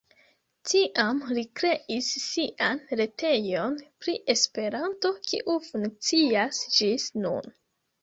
Tiam li kreis sian retejon pri Esperanto, kiu funkcias ĝis nun.